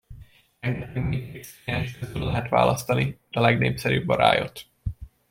Rengeteg Matrix kliens közül lehet választani, de a legnépszerűbb a Riot.